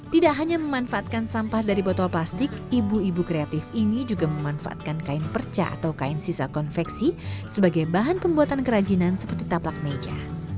tidak hanya memanfaatkan sampah dari botol plastik ibu ibu kreatif ini juga memanfaatkan kain perca atau kain sisa konveksi sebagai bahan pembuatan kerajinan seperti taplak meja